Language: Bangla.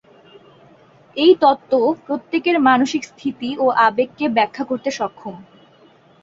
এই তত্ব প্রত্যেকের মানসিক স্থিতি ও আবেগকে ব্যাখ্যা করতে সক্ষম।